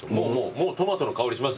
もうトマトの香りしますね。